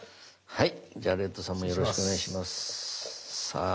はい。